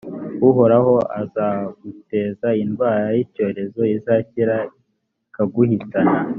uhoraho azaguteza indwara y’icyorezo izashyira ikaguhitana,